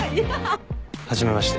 初めまして。